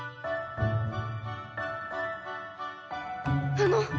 あの！